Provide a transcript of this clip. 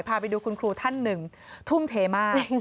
พาไปดูคุณครูท่านหนึ่งทุ่มเทมาก